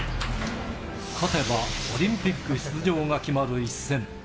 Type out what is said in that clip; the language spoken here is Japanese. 勝てばオリンピック出場が決まる一戦。